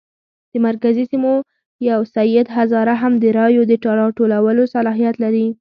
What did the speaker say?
د مرکزي سیمو یو سید هزاره هم د رایو د راټولولو صلاحیت لري.